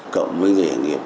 cộng với nghề nghiệp